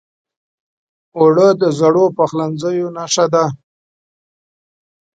اوړه د زړو پخلنځیو نښه ده